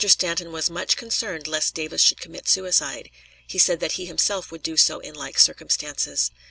Stanton was much concerned lest Davis should commit suicide; he said that he himself would do so in like circumstances.